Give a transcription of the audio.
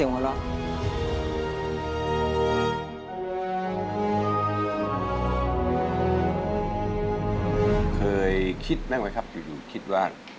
ฝ่าเสียหัวเราะ